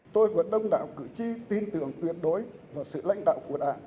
tôi của đông đạo cử tri tin tưởng tuyệt đối vào sự lãnh đạo của đảng